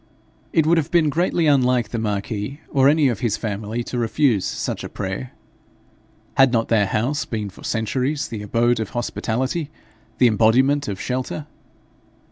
It would have been greatly unlike the marquis or any of his family to refuse such a prayer. Had not their house been for centuries the abode of hospitality, the embodiment of shelter?